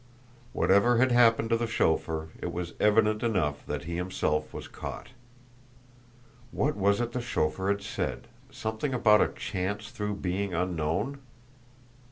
Whatever had happened to the chauffeur, it was evident enough that he himself was caught! What was it the chauffeur had said? Something about a chance through being unknown.